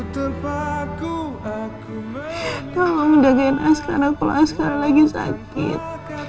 tolong jagain as karena kalau as sekarang lagi sakit